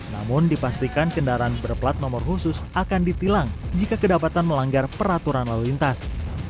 namun dipastikan kendaraan berplat nomor khusus akan ditilang jika kedapatan melanggar peraturan lalu lintas